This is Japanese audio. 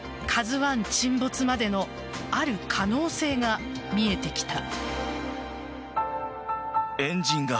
沈没までのある可能性が見えてきた。